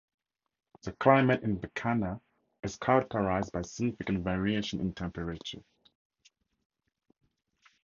The climate in Bikaner is characterised by significant variations in temperature.